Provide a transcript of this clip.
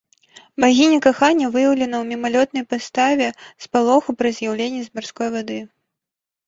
Багіня кахання выяўлена ў мімалётнай паставе спалоху пры з'яўленні з марской вады.